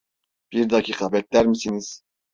Bir dakika bekler misiniz?